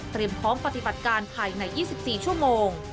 พร้อมปฏิบัติการภายใน๒๔ชั่วโมง